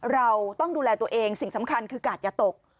เราต้องดูแลตัวเองสิ่งสำคัญคือกาดอย่าตก